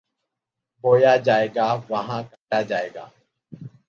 بویا جائے گا، وہاں کاٹا جائے گا۔